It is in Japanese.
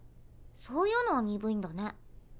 そういうのは鈍いんだね。